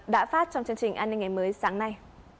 đã phát trong chương trình an ninh ngày mới sáng nay